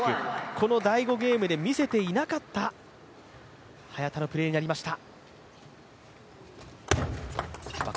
この第５ゲームで見せていなかった早田のプレーになりました。